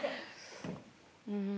うん。